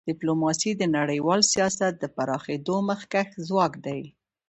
ډیپلوماسي د نړیوال سیاست د پراخېدو مخکښ ځواک دی.